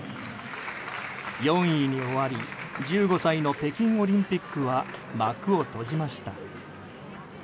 ４位に終わり１５歳の北京オリンピックは幕を閉じました。